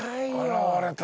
現れた。